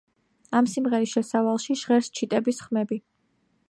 ამ სიმღერის შესავალში ჟღერს ჩიტების ხმები.